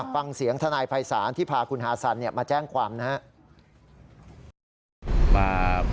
ฟังเสียงทนายภัยศาลที่พาคุณฮาซันมาแจ้งความนะครับ